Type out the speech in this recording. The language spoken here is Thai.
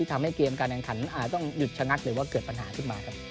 ทำให้เกมการแข่งขันอาจต้องหยุดชะงักหรือว่าเกิดปัญหาขึ้นมาครับ